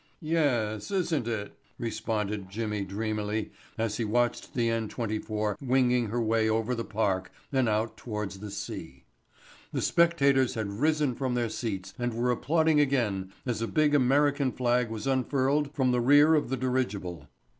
"Yes, isn't it?", responded Jimmy dreamily as he watched the N 24 winging her way over the park and out towards the sea. The spectators had risen from their seats and were applauding again as a big American flag was unfurled from the rear car of the dirigible.